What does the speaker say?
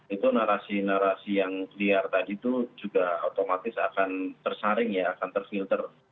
itu narasi narasi yang liar tadi itu juga otomatis akan tersaring ya akan terfilter